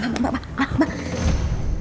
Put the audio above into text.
mbak mbak mbak